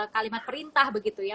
kalimat perintah begitu ya